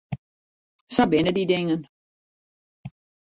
Sa binne dy dingen.